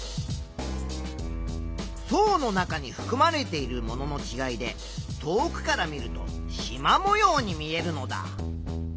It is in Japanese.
層の中にふくまれているもののちがいで遠くから見るとしまもように見えるのだ。